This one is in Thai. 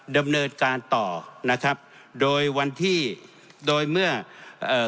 ดำเนินการต่อนะครับโดยวันที่โดยเมื่อเอ่อ